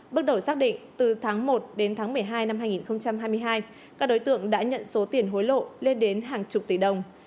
bước đầu xác định từ tháng một đến tháng một mươi hai năm hai nghìn hai mươi hai các đối tượng đã nhận số tiền hối lộ lên đến hàng chục tỷ đồng